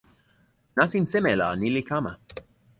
nasin seme la ni li kama?